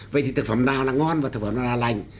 vậy thì thực phẩm nào là ngon và thực phẩm nào là lành